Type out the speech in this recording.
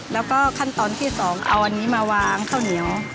แล้วก็ขั้นตอนที่๒เอาอันนี้มาวางข้าวเหนียว